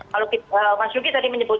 kalau mas nugi tadi menyebut